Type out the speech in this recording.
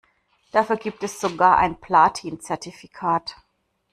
Dafür gibt es sogar ein Platin-Zertifikat.